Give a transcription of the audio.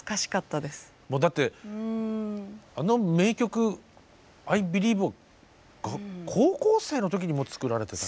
もうだってあの名曲「Ｉｂｅｌｉｅｖｅ」を高校生の時にもう作られてたと。